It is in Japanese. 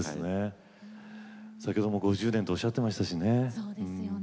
先ほども５０年とおっしゃっていましたしね。